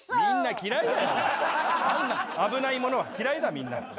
危ないものは嫌いだみんな。